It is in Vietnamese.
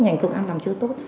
ngành công an làm chưa tốt